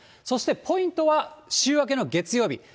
そしてポイントは、週明けの月曜日。